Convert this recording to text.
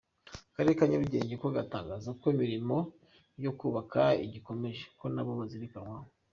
Akarere ka Nyarugenge ko gatangaza ko imirimo yo kubaka igikomeje, ko nabo bazirikanwaho.